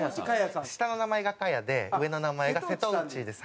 下の名前が「かや」で上の名前が「瀬戸内」です。